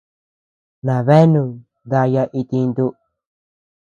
Nabeanu dayaa itintu.